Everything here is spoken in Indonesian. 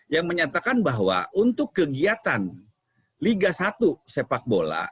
yang menyatakan bahwa untuk kegiatan liga satu sepak bola